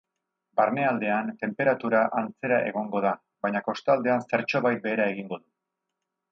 Barnealdean, tenperatura antzera egongo da, baina kostaldean zertxobait behera egingo du.